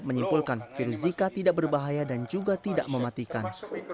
menyimpulkan virus zika tidak berbahaya dan juga tidak mematikan